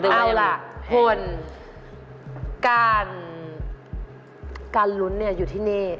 เอาล่ะผลการรุ้นเนี่ยอยู่ที่นี่